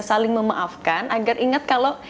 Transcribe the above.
saling memaafkan agar ingat kalau